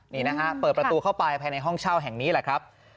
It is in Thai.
นี่นะฮะเปิดประตูเข้าไปภายในห้องเช่าแห่งนี้แหละครับ